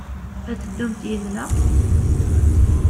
Ad teddumt yid-neɣ?